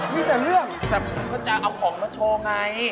มีแต่เรื่องแต่ผมก็จะเอาของมาโชว์ไง